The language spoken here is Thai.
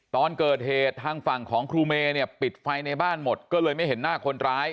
ตอนเกิดเหตุทางฝั่งของครูเมย์เนี่ยปิดไฟในบ้านหมดก็เลยไม่เห็นหน้าคนร้าย